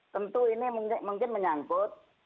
tentu ini mungkin menyangkut